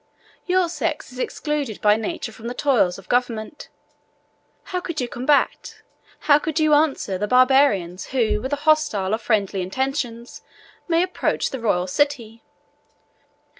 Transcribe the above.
Your sex is excluded by nature from the toils of government. How could you combat, how could you answer, the Barbarians, who, with hostile or friendly intentions, may approach the royal city?